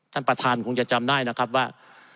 ท่านประธานคงจะจำได้นะครับว่า